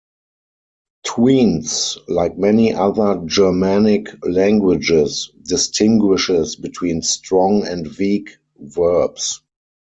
Tweants, like many other Germanic languages, distinguishes between strong and weak verbs.